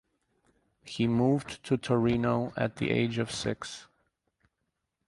He moved to Torino at the age of six.